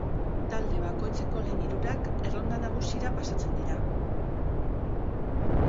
Talde bakoitzeko lehen hirurak erronda nagusira pasatzen dira.